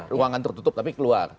ruangan tertutup tapi keluar